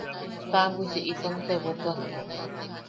Taʼabwisi itom tebotuak.